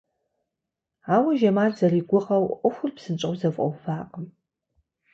Ауэ Жамал зэригугъэу ӏуэхур псынщӏэу зэфӏэувакъым.